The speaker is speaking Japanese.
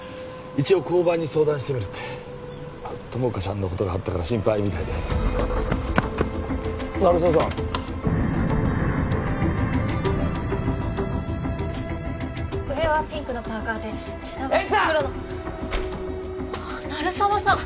一応交番に相談してみるって友果ちゃんのことがあったから心配みたいで鳴沢さん上はピンクのパーカーで下は黒の絵里さん！